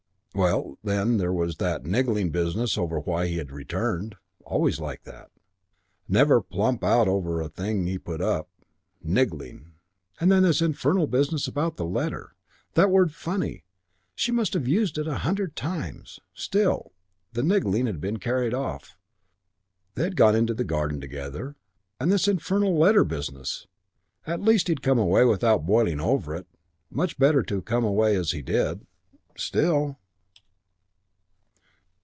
Well, then there was that niggling business over why he had returned. Always like that. Never plump out over a thing he put up. Niggling. And then this infernal business about the letter. That word "funny." She must have used it a hundred times. Still.... The niggling had been carried off, they had gone into the garden together; and this infernal letter business at least he had come away without boiling over about it. Much better to have come away as he did.... Still....